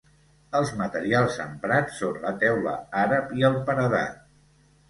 Els materials emprats són la teula àrab i el paredat.